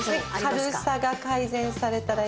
軽さが改善されたらいいなと。